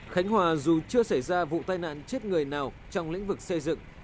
khánh hòa dù chưa xảy ra vụ tai nạn chết người nào trong lĩnh vực xây dựng